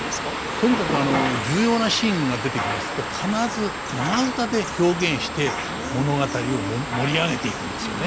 とにかく重要なシーンが出てきますと必ず長唄で表現して物語を盛り上げていくんですよね。